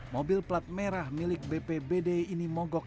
mobil plat merah milik bpbd ini mogok